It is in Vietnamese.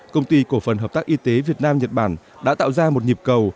công ty cổ phần hợp tác y tế việt nam nhật bản đã tạo ra một nhịp cầu